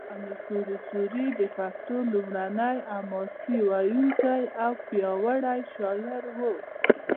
امیر کروړ سوري د پښتو لومړنی حماسه ویونکی او پیاوړی شاعر و